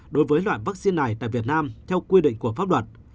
đối với loại vaccine này tại việt nam theo quy định của pháp luật